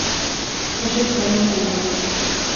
Han kysste hennes händer.